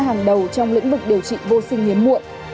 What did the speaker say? hàng đầu trong lĩnh vực điều trị vô sinh hiếm muộn